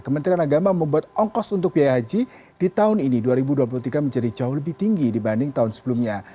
kementerian agama membuat ongkos untuk biaya haji di tahun ini dua ribu dua puluh tiga menjadi jauh lebih tinggi dibanding tahun sebelumnya